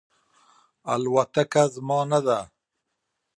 الوتکه زما نه ده